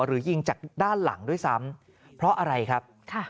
หรือยิงจากด้านหลังด้วยซ้ำเพราะอะไรครับ